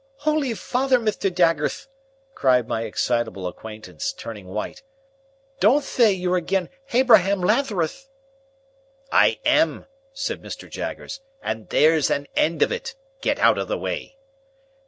"Holy father, Mithter Jaggerth!" cried my excitable acquaintance, turning white, "don't thay you're again Habraham Latharuth!" "I am," said Mr. Jaggers, "and there's an end of it. Get out of the way."